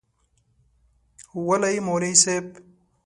وله یی مولوی صیب